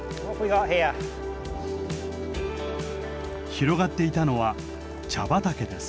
広がっていたのは茶畑です。